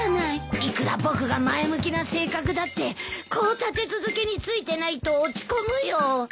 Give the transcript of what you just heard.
いくら僕が前向きな性格だってこう立て続けについてないと落ち込むよ。